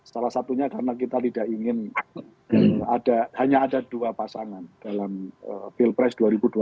salah satunya karena kita tidak ingin hanya ada dua pasangan dalam pilpres dua ribu dua puluh